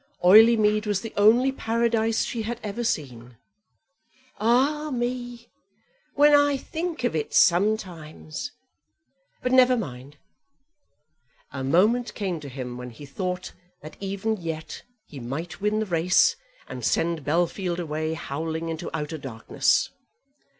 Oileymead was the only paradise she had ever seen. "Ah, me; when I think of it sometimes, but never mind." A moment came to him when he thought that even yet he might win the race, and send Bellfield away howling into outer darkness.